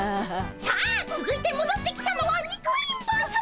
さあつづいてもどってきたのはニコリン坊さま！